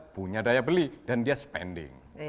punya daya beli dan dia spending